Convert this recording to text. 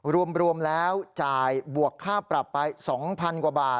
รวมแล้วจ่ายบวกค่าปรับไป๒๐๐๐กว่าบาท